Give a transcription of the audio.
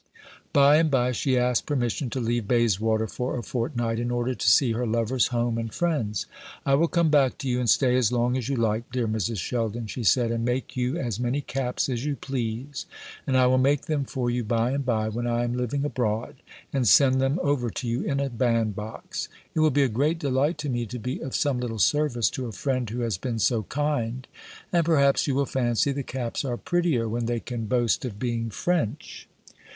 By and by she asked permission to leave Bayswater for a fortnight, in order to see her lover's home and friends. "I will come back to you, and stay as long as you like, dear Mrs. Sheldon," she said, "and make you as many caps as you please. And I will make them for you by and by, when I am living abroad, and send them over to you in a bandbox. It will be a great delight to me to be of some little service to a friend who has been so kind. And perhaps you will fancy the caps are prettier when they can boast of being French."